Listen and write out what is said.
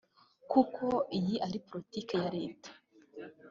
kuko iyi ari politiki ya leta